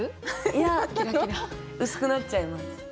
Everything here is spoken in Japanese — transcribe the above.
いや薄くなっちゃいます。